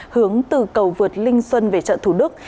hướng từ cầu vượt linh xuân về chợ thủ đức